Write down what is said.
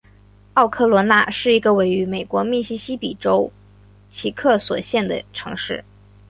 奥科洛纳是一个位于美国密西西比州奇克索县的城市。